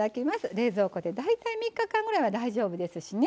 冷蔵庫で大体３日間ぐらいは大丈夫ですしね